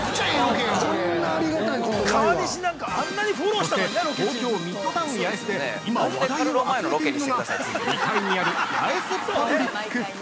◆そして東京ミッドタウン八重洲で今話題を集めているのが２階にあるヤエスパブリック。